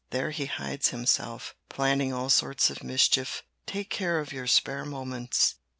There he hides himself, planning all sorts of mischief Take care of your spare moments.